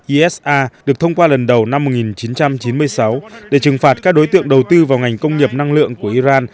isa được thông qua lần đầu năm một nghìn chín trăm chín mươi sáu để trừng phạt các đối tượng đầu tư vào ngành công nghiệp năng lượng của iran